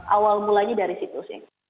awal mulanya dari situ sih